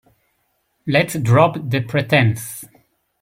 Let’s drop the pretence